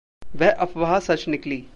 वह अफ़वाह सच निकली।